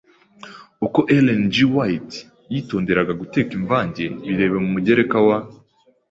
Uko Ellen G. White yitonderaga guteka imvange — Birebe ku Mugereka wa